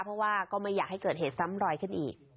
เพราะว่าก็ไม่อยากให้เกิดเหตุซ้ำรอยขึ้นอีก